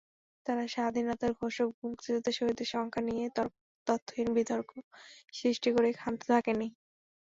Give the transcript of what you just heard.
তারা স্বাধীনতার ঘোষক, মুক্তিযুদ্ধে শহীদের সংখ্যা নিয়ে তথ্যহীন বিতর্ক সৃষ্টি করেই ক্ষান্ত থাকেনি।